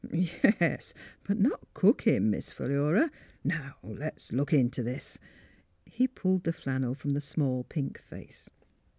" Yes, but not cook him. Miss Philura. Now, let's look into this." He pulled away the flannel from the small, pink face.